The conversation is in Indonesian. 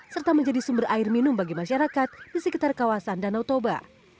serta menjadi sumber air minum bagi masyarakat di sekitar kawasan danau toba